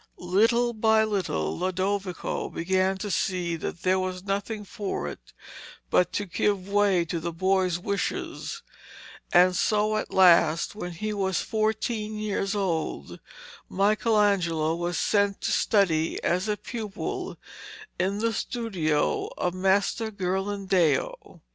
Little by little Lodovico began to see that there was nothing for it but to give way to the boy's wishes, and so at last, when he was fourteen years old, Michelangelo was sent to study as a pupil in the studio of Master Ghirlandaio.